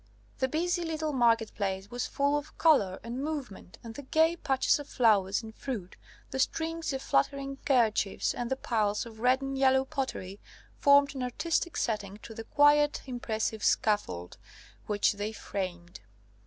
The busy little market place was full of colour and movement, and the gay patches of flowers and fruit, the strings of fluttering kerchiefs, and the piles of red and yellow pottery, formed an artistic setting to the quiet impressive scaffold which they framed.